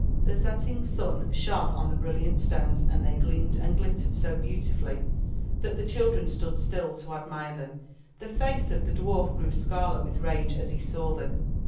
The setting sun shone on the brilliant stones and they gleamed and glittered so beautifully that the children stood still to admire them. The face of the dwarf grew scarlet with rage as he saw them.